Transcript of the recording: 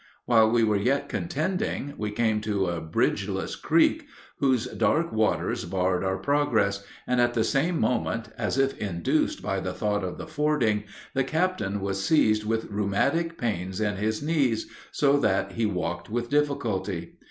While we were yet contending, we came to a bridgeless creek whose dark waters barred our progress, and at the same moment, as if induced by the thought of the fording, the captain was seized with rheumatic pains in his knees, so that he walked with difficulty.